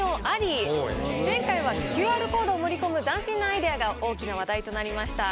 前回はＱＲコードを盛り込む斬新なアイデアが大きな話題となりました。